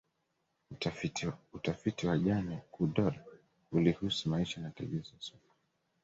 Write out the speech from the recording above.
utafiti wa jane goodal ulihusu maisha na tabia za sokwe